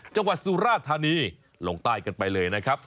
สุราธานีลงใต้กันไปเลยนะครับ